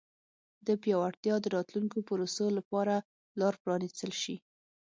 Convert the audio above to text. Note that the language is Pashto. د پیاوړتیا د راتلونکو پروسو لپاره لار پرانیستل شي.